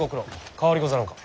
変わりござらんか。